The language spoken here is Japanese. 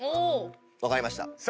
分かりました。